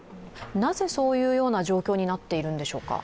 なぜそういう状況になっているんでしょうか？